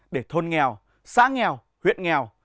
để thôn nghèo xã nghèo huyện nghèo